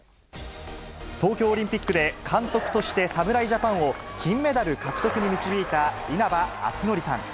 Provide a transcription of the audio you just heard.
東京オリンピックで監督として侍ジャパンを金メダル獲得に導いた稲葉篤紀さん。